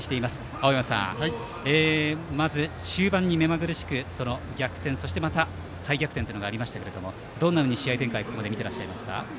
青山さん、まず中盤にめまぐるしく逆転そしてまた再逆転というのがありましたがどんなふうに試合展開をここまで見ていますか。